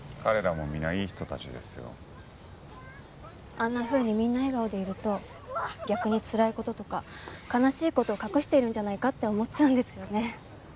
あんなふうにみんな笑顔でいると逆につらい事とか悲しい事を隠しているんじゃないかって思っちゃうんですよね。